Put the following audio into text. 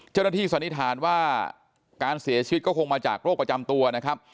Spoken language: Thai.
สันนิษฐานว่าการเสียชีวิตก็คงมาจากโรคประจำตัวนะครับ